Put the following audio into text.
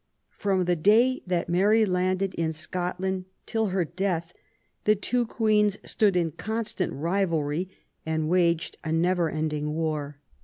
From the day that Mary landed in Scotland tiU her death the two Queens stood in constant rivalry' and waged a never ending war.